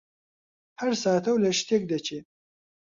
هەر ساتە و لە شتێک دەچێ: